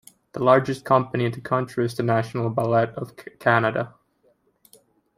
The largest company in the country is The National Ballet of Canada.